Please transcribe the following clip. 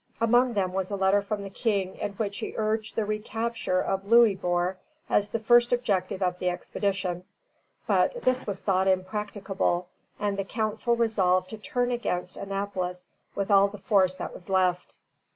Among them was a letter from the King in which he urged the recapture of Louisbourg as the first object of the expedition; but this was thought impracticable, and the council resolved to turn against Annapolis all the force that was left.